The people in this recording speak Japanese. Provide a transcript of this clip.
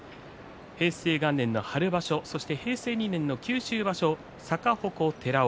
平成元年の春場所、そして平成２年の九州場所逆鉾、寺尾。